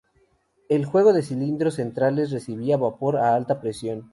El juego de cilindros centrales recibía vapor a alta presión.